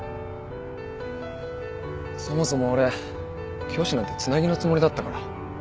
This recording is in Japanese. そもそも俺教師なんてつなぎのつもりだったから。